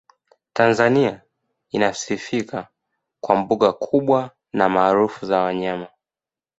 tanzania inasifika kwa mbuga kubwa na maarufu za wanyama